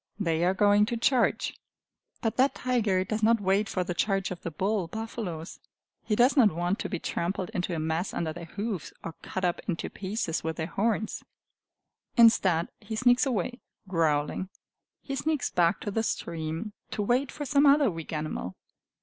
They are going to charge! But that tiger does not wait for the charge of the bull buffaloes. He does not want to be trampled into a mess under their hoofs, or cut up into pieces with their horns. Instead, he sneaks away, growling. He sneaks back to the stream, to wait for some other weak animal.